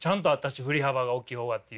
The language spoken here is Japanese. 「振り幅が大きい方が」っていう。